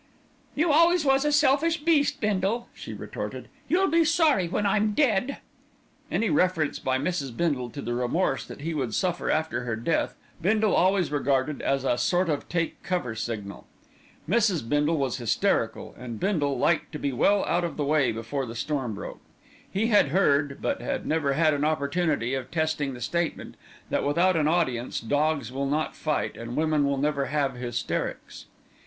"You always was a selfish beast, Bindle," she retorted. "You'll be sorry when I'm dead." Any reference by Mrs. Bindle to the remorse that he would suffer after her death, Bindle always regarded as a sort of "take cover" signal. Mrs. Bindle was hysterical, and Bindle liked to be well out of the way before the storm broke. He had heard, but had never had an opportunity of testing the statement, that without an audience dogs will not fight and women will never have hysterics.